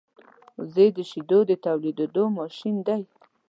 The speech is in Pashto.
وزې د شیدو د تولېدو ماشین دی